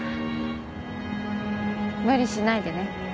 無理しないでね。